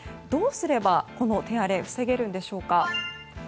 どうすればこの手荒れを防げるのでしょうか。